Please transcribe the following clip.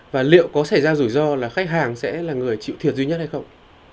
và liệu có xảy ra rủi ro là khách hàng sẽ là người chịu thiệt duy nhất hay không